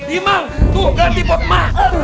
emang tuh ganti potma